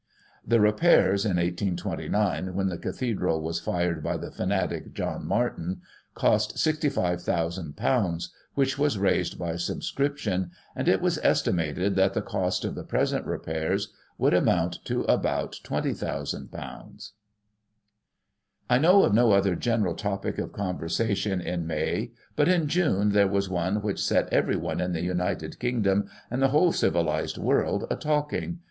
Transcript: The repairs in 1829, when the Cathedral was fired by the fanatic, John Martin, cost ;£"65,ooo, which was raised by sub scription, and it was estimated that the cost of the present repairs would amount to about ;£'20,ooo. I know of no other general topic of conversation in May, but, in June, there was one which set every one in the United Kingdom, and the whole civihzed world, a talking.